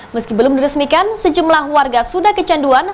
meski belum diresmikan sejumlah warga sudah kecanduan